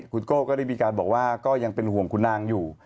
คุณโก้ก็ได้มีการบอกว่าก็ยังเป็นห่วงคุณนางอยู่